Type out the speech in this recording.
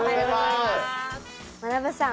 まなぶさん